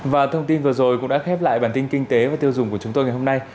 và thông tin vừa rồi cũng đã khép lại bản tin kinh tế và tiêu dùng của chúng tôi ngày hôm nay